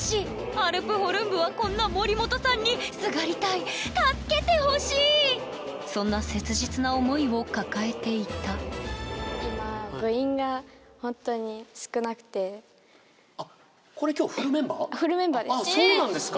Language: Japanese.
アルプホルン部はこんな森本さんにすがりたい助けてほしいそんな切実な思いを抱えていたあそうなんですか？